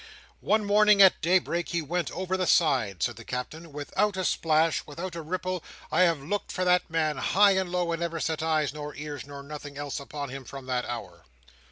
One morning at daybreak, he went over the side," said the Captain, "without a splash, without a ripple I have looked for that man high and low, and never set eyes, nor ears, nor nothing else, upon him from that hour."